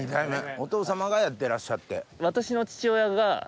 お父様がやってらっしゃって。